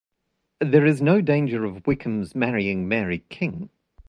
There is no danger of Wickham's marrying Mary King.